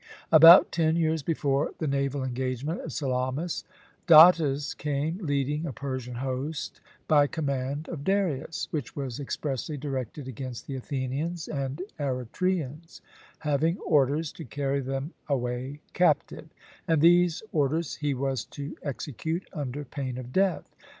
About ten years before the naval engagement at Salamis, Datis came, leading a Persian host by command of Darius, which was expressly directed against the Athenians and Eretrians, having orders to carry them away captive; and these orders he was to execute under pain of death.